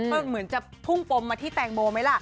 มันเหมือนจะพุ่งปมมาที่แตงโมไหมล่ะ